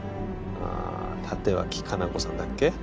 あー立脇香菜子さんだっけ？